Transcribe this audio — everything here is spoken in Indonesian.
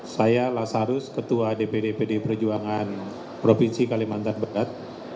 saya lasarus ketua dpd pdi perjuangan provinsi kalimantan barat